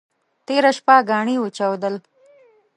تېره شپه ګاڼي وچودل.